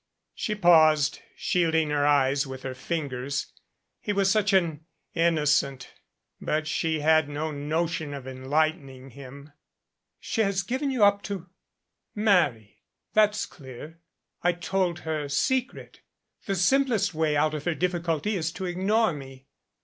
She paused, shielding her eyes with her fingers. He was such an innocent. But she had no notion of enlight ening him. "She has given you up to marry. That's clear. I hold her secret. The simplest way out of her difficulty is to ignore me.